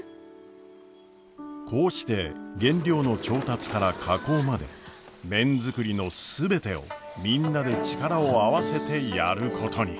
こうして原料の調達から加工まで麺作りの全てをみんなで力を合わせてやることに。